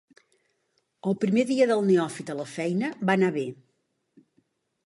El primer dia del neòfit a la feina va anar bé.